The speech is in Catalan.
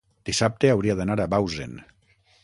dissabte hauria d'anar a Bausen.